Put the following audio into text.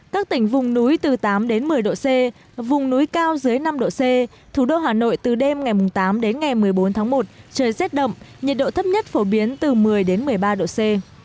các tỉnh vùng núi từ tám đến một mươi độ c vùng núi cao dưới năm độ c thủ đô hà nội từ đêm ngày tám đến ngày một mươi bốn tháng một trời rét đậm nhiệt độ thấp nhất phổ biến từ một mươi một mươi ba độ c